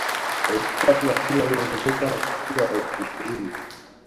Elfu tatu lakini walioongezeka na kufikia elfu ishirini